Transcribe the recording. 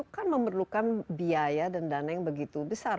kan memerlukan biaya dan dana yang begitu besar